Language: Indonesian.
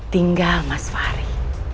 tinggal mas fahri